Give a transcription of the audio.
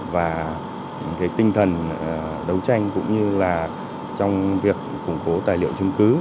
và cái tinh thần đấu tranh cũng như là trong việc củng cố tài liệu chứng cứ